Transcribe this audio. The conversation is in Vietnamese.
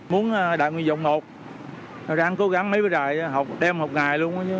muốn đợi người dùng một ráng cố gắng mấy bữa trời đem học ngày luôn